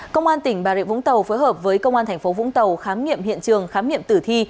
công an tỉnh bà rịa vũng tàu phối hợp với công an thành phố vũng tàu khám nghiệm hiện trường khám nghiệm tử thi